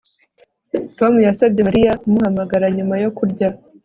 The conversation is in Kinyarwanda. Tom yasabye Mariya kumuhamagara nyuma yo kurya